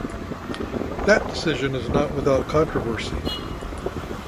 That decision is not without controversy.